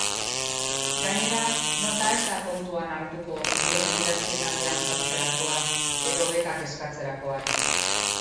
Gainera, nota ez da kontuan hartutako unibertsitatean sartzerakoan edo bekak eskatzerakoan.